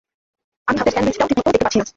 আমি হাতের স্যান্ডউইচটাও ঠিকমতো দেখতে পাচ্ছি না।